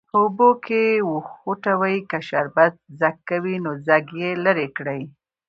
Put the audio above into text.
په اوبو کې وخوټوئ که شربت ځګ کوي نو ځګ یې لرې کړئ.